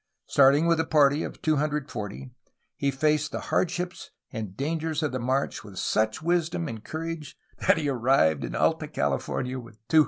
Starting with a party of 240, he faced the hard ships and dangers of the march with such wisdom and courage that he arrived in Alta California with 244!